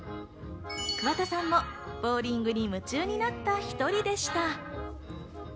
桑田さんもボウリングに夢中になった１人でした。